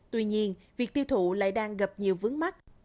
tuy nhiên việc tiêu thụ lại đang gặp nhiều vướng mắt